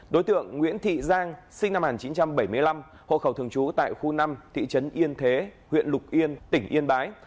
đối tượng nguyễn thị giang sinh năm một nghìn chín trăm bảy mươi năm hộ khẩu thường trú tại khu năm thị trấn yên thế huyện lục yên tỉnh yên bái